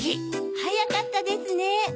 はやかったですね。